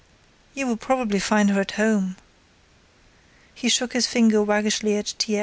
"You will probably find her at home." He shook his finger waggishly at T.